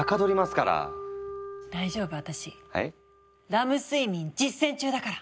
「ラム睡眠」実践中だから！